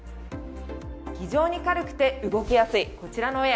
非常に軽くて動きやすいこちらのウェア。